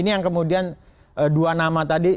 karena kemudian dua nama tadi